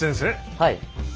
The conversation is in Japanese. はい。